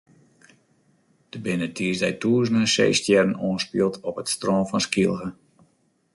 Der binne tiisdei tûzenen seestjerren oanspield op it strân fan Skylge.